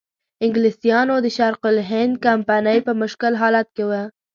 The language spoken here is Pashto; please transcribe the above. انګلیسانو د شرق الهند کمپنۍ په مشکل حالت کې وه.